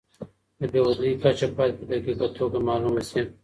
د بېوزلۍ کچه باید په دقیقه توګه معلومه سي.